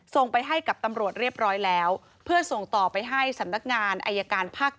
ส่งไปให้กับตำรวจเรียบร้อยแล้วเพื่อส่งต่อไปให้สำนักงานอายการภาค๗